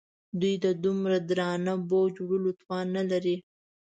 دوی د دومره درانه بوج وړلو توان نه لري.